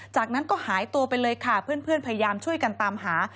จากนั้นก็หายตัวไปเลยค่ะเพื่อนพยายามช่วยกันตามหา